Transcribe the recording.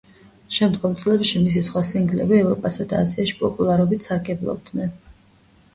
შემდგომ წლებში მისი სხვა სინგლები ევროპასა და აზიაში პოპულარობით სარგებლობდნენ.